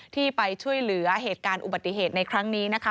ที่ไปช่วยเหลือเหตุการณ์อุบัติเหตุในครั้งนี้นะคะ